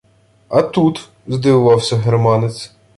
— А тут?! — здивувався германець.